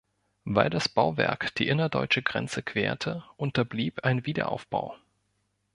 Weil das Bauwerk die innerdeutsche Grenze querte, unterblieb ein Wiederaufbau.